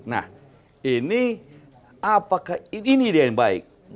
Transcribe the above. nah ini apakah ini dia yang baik